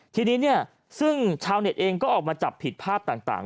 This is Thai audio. ทีนี้เนี่ยซึ่งชาวเน็ตเองก็ออกมาจับผิดภาพต่าง